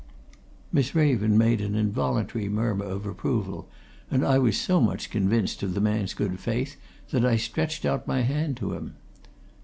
Miss Raven made an involuntary murmur of approval, and I was so much convinced of the man's good faith that I stretched out my hand to him.